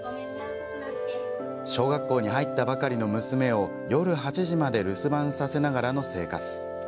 小学校に入ったばかりの娘を夜８時まで留守番させながらの生活。